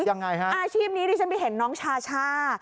ยังไงฮะอาชีพนี้ดิฉันไปเห็นน้องชาช่า